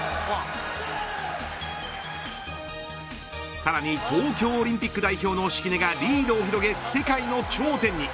さらに東京オリンピック代表の敷根がリードを広げ世界の頂点に。